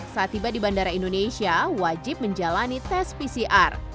saat tiba di bandara indonesia wajib menjalani tes pcr